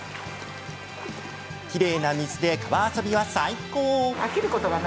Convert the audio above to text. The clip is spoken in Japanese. きれいな水で川遊びは最高。